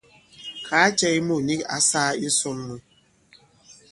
Kàa cɛ ki mût nik ǎ sāā i ǹsɔn mwe.